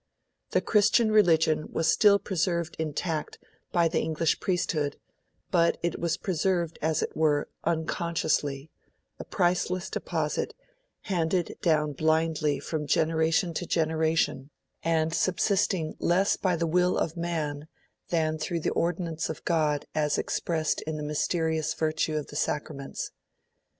The Christian Religion was still preserved intact by the English priesthood, but it was preserved, as it were, unconsciously a priceless deposit, handed down blindly from generation to generation, and subsisting less by the will of man than through the ordinance of God as expressed in the mysterious virtue of the Sacraments.